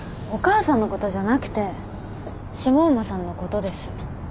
お母さんのことじゃなくて下馬さんのことです。